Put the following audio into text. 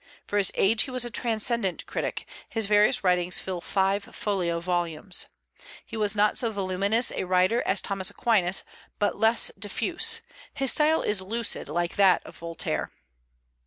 For his age he was a transcendent critic; his various writings fill five folio volumes. He was not so voluminous a writer as Thomas Aquinas, but less diffuse; his style is lucid, like that of Voltaire.